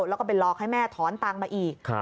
แล้วก็ไปหลอกให้แม่ถอนตังค์มาอีก